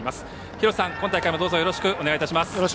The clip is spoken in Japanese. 廣瀬さん、今大会もどうぞ、よろしくお願いします。